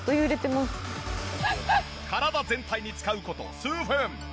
体全体に使う事数分。